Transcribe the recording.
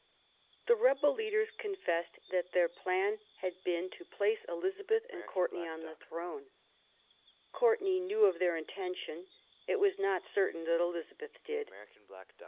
The rebel leaders confessed that their plan had been to place Elizabeth and Courtenay on the throne. Courtenay knew of their intention ; it was not certain that Elizabeth did.